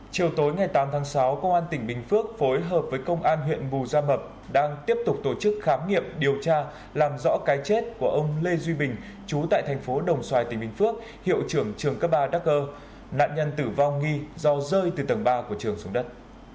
chiều tối ngày tám tháng sáu công an tỉnh bình phước phối hợp với công an huyện bù gia mập đang tiếp tục tổ chức khám nghiệm điều tra làm rõ cái chết của ông lê duy bình chú tại thành phố đồng xoài tỉnh bình phước hiệu trưởng trường cấp ba dacker nạn nhân tử vong nghi do rơi từ tầng ba của trường xuống đất